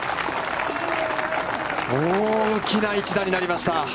大きな１打になりました。